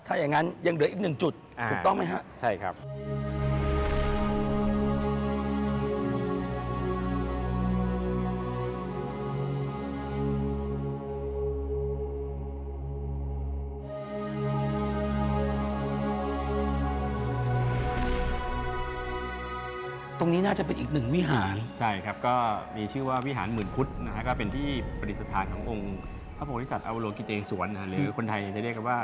ถ้าอย่างงั้นยังเหลืออีกหนึ่งจุดถูกต้องไหมฮะ